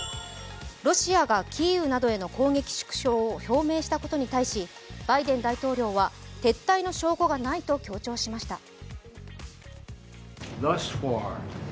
ロシアがキーウなどへの攻撃縮小を表明したことに対しバイデン大統領は撤退の証拠がないと強調しました。